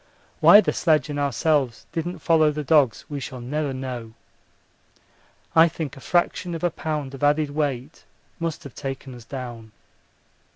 Why the sledge and ourselves didn't follow the dogs we shall never know. I think a fraction of a pound of added weight must have taken us down.